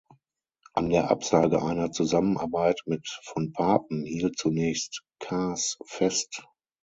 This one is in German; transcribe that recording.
An der Absage einer Zusammenarbeit mit von Papen hielt zunächst Kaas fest.